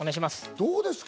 どうですか？